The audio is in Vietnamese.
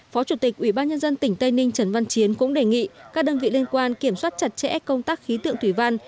phó chủ tịch ubnd tỉnh tây ninh trần văn chiến cũng đề nghị các đơn vị liên quan kiểm soát chặt chẽ công tác khí tượng thủy văn